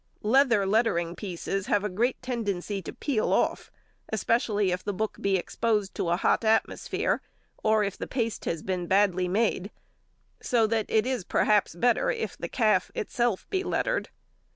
Leather lettering pieces have a great tendency to peel off, especially if the book be exposed to a hot atmosphere, or if the paste has been badly made, so that it is perhaps better if the calf itself be lettered.